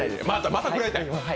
また食らいたい？